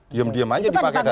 diam diam aja dipakai dada